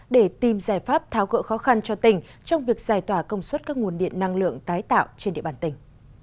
để tìm giải pháp tháo gỡ khó khăn cho tỉnh trong việc giải tỏa công suất các nguồn điện năng lượng tái tạo trên địa bàn tỉnh